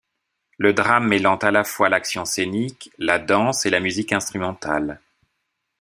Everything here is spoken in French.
Le drame mêlant à la fois l’action scénique, la danse et la musique instrumentale.